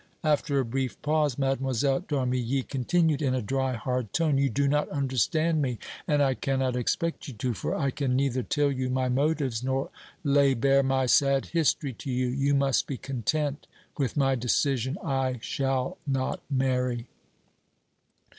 After a brief pause, Mlle. d'Armilly continued, in a dry, hard tone: "You do not understand me and I cannot expect you to, for I can neither tell you my motives nor lay bare my sad history to you; you must be content with my decision I shall not marry!"